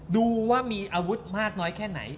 ดูว่ามีอาวุธมากน้อยแค่ไหน